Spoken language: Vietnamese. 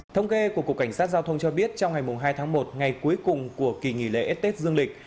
thông kê của cục cảnh sát giao thông cho biết trong ngày hai tháng một ngày cuối cùng của kỳ nghỉ lễ tết dương lịch